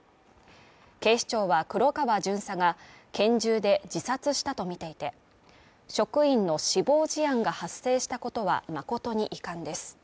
警視庁は黒川巡査が拳銃で自殺したとみていて、職員の死亡事案が発生したことは誠に遺憾です。